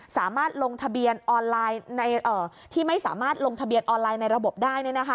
สามารถลงทะเบียนออนไลน์ที่ไม่สามารถลงทะเบียนออนไลน์ในระบบได้